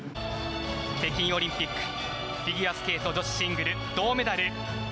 北京オリンピックフィギュアスケート女子シングル銅メダル